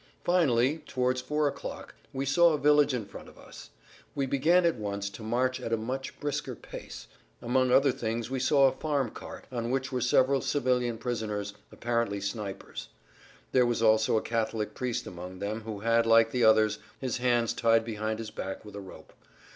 Finally, towards four o'clock, we saw a village in front of us; we began at once to march at a much brisker pace. Among other things we saw a [Pg 24]farm cart on which were several civilian prisoners, apparently snipers. There was also a Catholic priest among them who had, like the others, his hands tied behind his back with a rope.